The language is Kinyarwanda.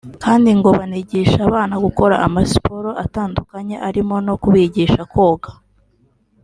kandi ngo banigisha abana gukora amasiporo atandukanye arimo no kubigisha koga